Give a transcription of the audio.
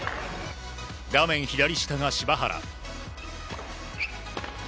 画面左下が柴原。